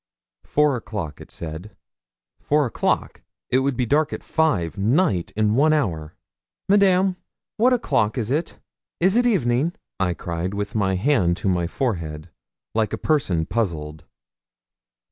Four o'clock, it said. Four o'clock! It would be dark at five night in one hour! 'Madame, what o'clock is it? Is it evening?' I cried with my hand to my forehead, like a person puzzled.